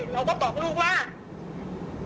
ไม่ทำผิดคำสั่ง